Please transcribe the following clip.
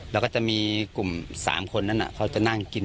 แล้วก็จะมีกลุ่ม๓คนนั้นเขาจะนั่งกิน